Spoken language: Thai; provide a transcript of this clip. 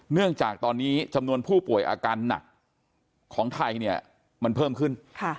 เนื่องจากตอนนี้จำนวนผู้ป่วยอาการหนักของไทยเนี่ยมันเพิ่มขึ้น